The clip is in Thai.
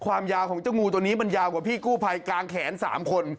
ความยาวของเจ้างูตัวนี้มันยาวกว่าพี่กู้ภัยกางแขน๓คน